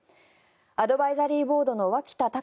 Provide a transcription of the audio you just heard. アドバイザリーボードの脇田隆